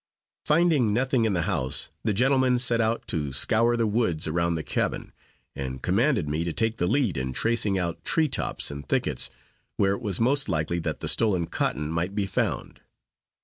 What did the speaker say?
Finding nothing in the house, the gentlemen set out to scour the woods around the cabin, and commanded me to take the lead in tracing out tree tops and thickets, where it was most likely that the stolen cotton might be found.